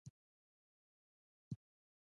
دښمن د وېرې لمبه وي